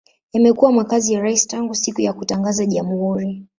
Imekuwa makazi ya rais tangu siku ya kutangaza jamhuri.